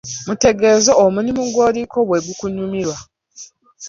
Mutegeeze omulimu gw'oliko bwe gukunyumira.